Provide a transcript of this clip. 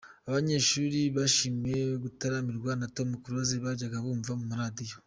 Abanyeshuri bishimiye gutaramirwa na Tom Close bajyaga bumva ku maradiyo.